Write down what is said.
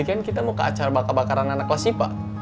tadi kan kita mau ke acara bakar bakaran anak kelas sipa